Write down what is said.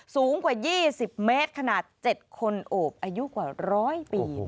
สูงกว่ายี่สิบเมตรขนาด๗คนโอบอายุกว่าร้อยปี